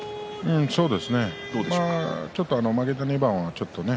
そうですね負けた２番はね